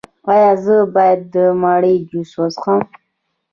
ایا زه باید د مڼې جوس وڅښم؟